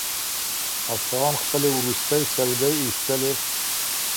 اصفهان خپلې وروستۍ سلګۍ ایستلې.